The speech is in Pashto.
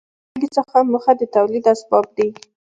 د توکو له ټولګې څخه موخه د تولید اسباب دي.